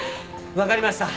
分かりました。